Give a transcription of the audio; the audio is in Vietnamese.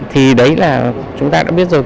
thì đấy là chúng ta đã biết rồi